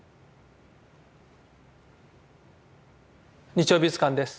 「日曜美術館」です。